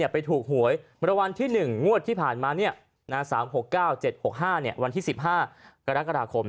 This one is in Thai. ประวัติที่๑งวดที่ผ่านมา๓๖๙๗๖๕วันที่๑๕กรกษาคม